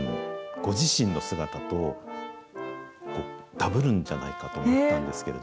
ご自身の姿と、だぶるんじゃないかと思ったんですけど。